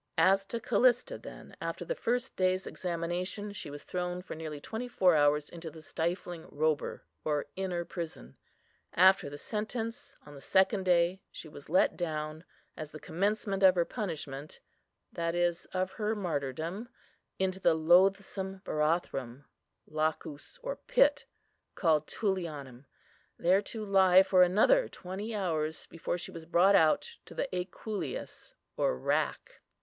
As to Callista, then, after the first day's examination, she was thrown for nearly twenty four hours into the stifling Robur, or inner prison. After the sentence, on the second day, she was let down, as the commencement of her punishment, that is, of her martyrdom, into the loathsome Barathrum, lacus, or pit, called Tullianum, there to lie for another twenty hours before she was brought out to the equuleus or rack.